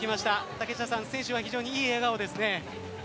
竹下さん選手は非常にいい笑顔ですね。